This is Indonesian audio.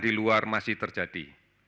di luar masih terjadi